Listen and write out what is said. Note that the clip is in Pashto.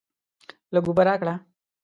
لږ اوبه راکړه!